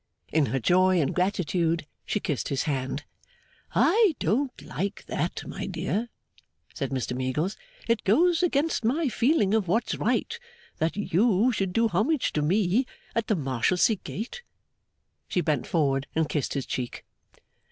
In her joy and gratitude she kissed his hand. 'I don't like that, my dear,' said Mr Meagles. 'It goes against my feeling of what's right, that you should do homage to me at the Marshalsea Gate.' She bent forward, and kissed his cheek.